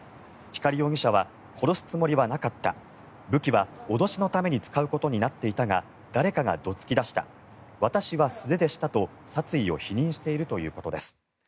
光容疑者は殺すつもりはなかった武器は脅しのために使うことになっていたが誰かがどつき出した私は素手でしたと殺意を否認しているということです。